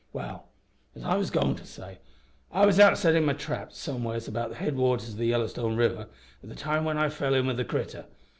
Well, as I was goin' to say, I was out settin' my traps somewheres about the head waters o' the Yellowstone river at the time when I fell in wi' the critter.